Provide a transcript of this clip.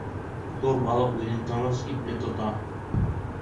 Ҙур балыҡ үҙен тыныс, ипле тота.